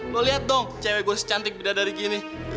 lo liat dong cewe gue secantik beda dari gini